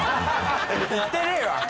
言ってねえわ！